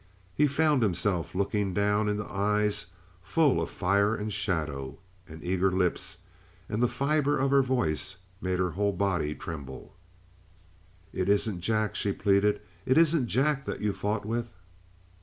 He found himself looking down into eyes full of fire and shadow; and eager lips; and the fiber of her voice made her whole body tremble. "It isn't Jack?" she pleaded. "It isn't Jack that you've fought with?"